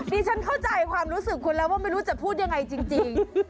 ฉันเข้าใจความรู้สึกคุณแล้วว่าไม่รู้จะพูดยังไงจริง